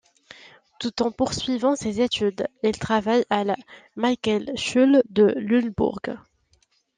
Tout en poursuivant ses études, il travaille à la Michaelisschule de Lunebourg.